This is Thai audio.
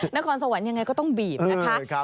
นครสวรรค์ยังไงก็ต้องบีบนะคะ